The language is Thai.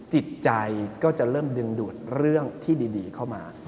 จิตใจก็จะเริ่มดึงดูดเรื่องที่ดีเข้ามา